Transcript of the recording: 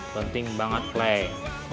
penting banget klay